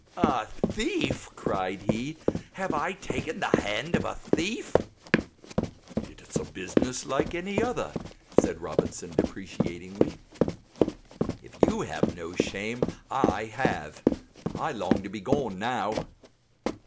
"A thief!" cried he. "Have I taken the hand of a thief?" "It is a business like any other," said Robinson deprecatingly. "If you have no shame I have; I long to be gone now."